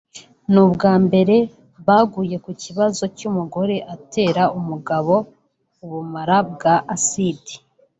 ni ubwa mbere baguye ku kibazo c'umugore atera umugabo ubumara bwa aside